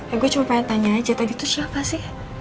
aku cuma pengen tanya aja tadi itu siapa sih